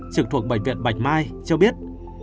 trực thuộc bệnh viện bạch mai cho biết